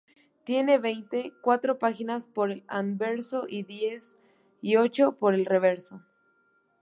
Tiene veinte cuatro páginas por el anverso y diez y ocho por el reverso.